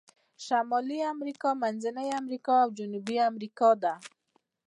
شمالي امریکا، منځنۍ امریکا او جنوبي امریکا دي.